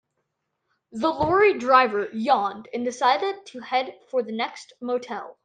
The lorry driver yawned and decided to head for the next motel.